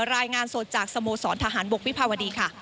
รายงานสดจากสโมสรทหารบกวิภาวดีค่ะ